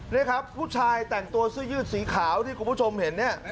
นี่ครับผู้ชายแต่งตัวเสื้อยืดสีขาวที่คุณผู้ชมเห็นเนี่ย